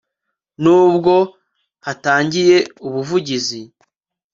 n ubwo hatangiye ubuvugizi